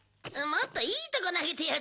もっといいとこ投げてよ